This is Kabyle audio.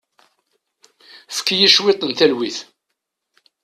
Efk-iyi cwiṭ n talwit.